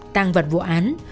tăng vật vụ án